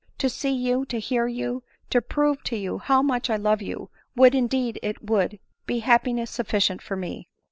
To see you, to hear you, to prove to you how much I love you, would, indeed it would, be happi ness sufficient for me